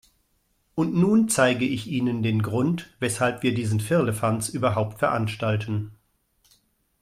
Und nun zeige ich Ihnen den Grund, weshalb wir diesen Firlefanz überhaupt veranstalten.